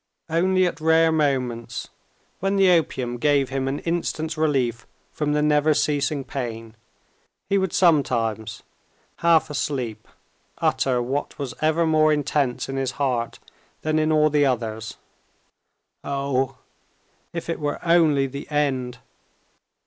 Only at rare moments, when the opium gave him an instant's relief from the never ceasing pain, he would sometimes, half asleep, utter what was ever more intense in his heart than in all the others: "Oh, if it were only the end!"